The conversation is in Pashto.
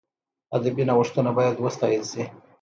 ادبي نوښتونه باید وستایل سي.